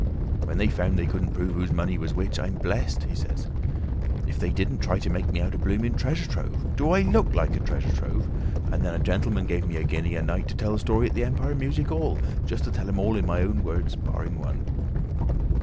"When they found they couldn't prove whose money was which, I'm blessed," he says, "if they didn't try to make me out a blooming treasure trove! Do I look like a Treasure Trove? And then a gentleman gave me a guinea a night to tell the story at the Empire Music 'All—just to tell 'em in my own words—barring one."